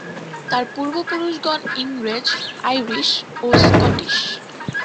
তার পূর্বপুরুষগণ ইংরেজ, আইরিশ ও স্কটিশ।